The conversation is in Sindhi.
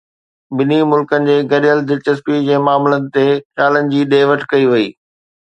ٻنهي ملڪن جي گڏيل دلچسپي جي معاملن تي خيالن جي ڏي وٺ ڪئي وئي